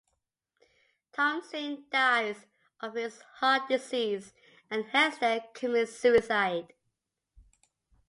Tom soon dies of his heart disease, and Hester commits suicide.